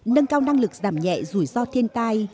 nâng cao năng lực giảm nhẹ rủi ro thiên tai